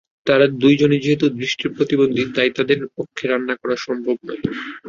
তাঁরা দুজনই যেহেতু দৃষ্টিপ্রতিবন্ধী, তাই তাঁদের পক্ষে রান্না করা সম্ভব নয়।